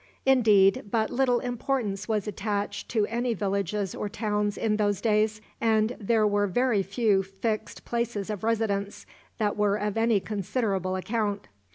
Indeed, but little importance was attached to any villages or towns in those days, and there were very few fixed places of residence that were of any considerable account.